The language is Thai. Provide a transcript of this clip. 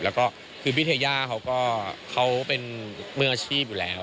แล้วก็คือพี่เทย่าเขาก็เขาเป็นมืออาชีพอยู่แล้ว